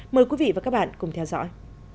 mời quý vị và các bạn cùng theo dõi